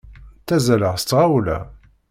Ttazzaleɣ s tɣawla.